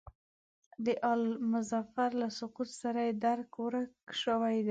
د آل مظفر له سقوط سره یې درک ورک شوی دی.